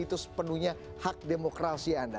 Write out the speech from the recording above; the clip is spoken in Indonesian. itu sepenuhnya hak demokrasi anda